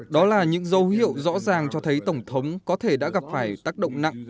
đó là những dấu hiệu rõ ràng cho thấy tổng thống có thể đã gặp phải tác động nặng